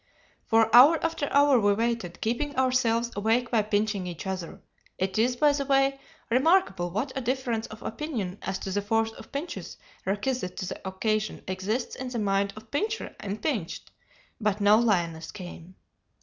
"For hour after hour we waited, keeping ourselves awake by pinching each other it is, by the way, remarkable what a difference of opinion as to the force of pinches requisite to the occasion exists in the mind of pincher and pinched but no lioness came.